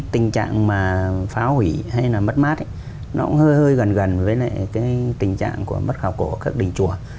tình trạng phá hủy hay mất mát hơi gần gần với tình trạng của mất khảo cổ ở các đình chùa